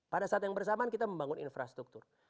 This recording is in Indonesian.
pada saat yang bersamaan kita membangun infrastruktur